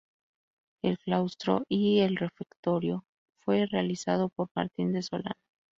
El claustro y el refectorio fue realizado por Martín de Solano.